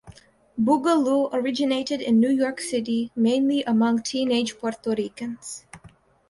Boogaloo originated in New York City mainly among teenage Puerto Ricans.